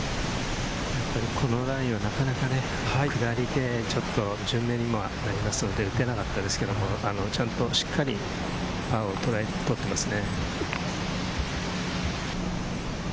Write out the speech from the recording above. このラインはなかなか下りで順目になりますので、打てなかったですけれど、ちゃんとしっかりパーを取ってますね。